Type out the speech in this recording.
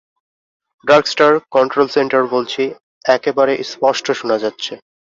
Darkstar, control centre বলছি, একেবারে স্পষ্ট শোনা যাচ্ছে।